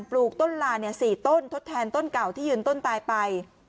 ปลูกต้นหลานเนี่ยสี่ต้นทดแทนต้นเก่าที่ยืนต้นตายไป